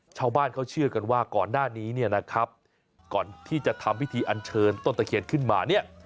ชาวบ้านเขาเชื่อกันว่าก่อนหน้านี้เนี่ยนะครับก่อนที่จะทำพิธีอันเชิญต้นตะเคียนขึ้นมาเนี่ย